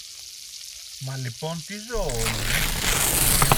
Μα λοιπόν τι ζώο είναι;